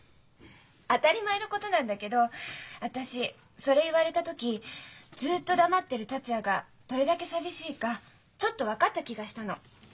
当たり前のことなんだけど私それ言われた時ずっと黙ってる達也がどれだけ寂しいかちょっと分かった気がしたの。